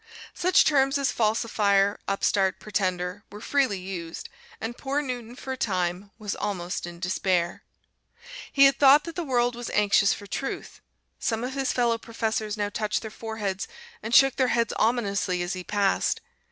Such terms as "falsifier," "upstart," "pretender," were freely used, and poor Newton for a time was almost in despair. He had thought that the world was anxious for truth! Some of his fellow professors now touched their foreheads and shook their heads ominously as he passed.